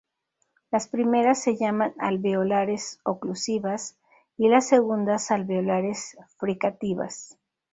Las primeras se llaman alveolares oclusivas, y las segundas alveolares fricativas.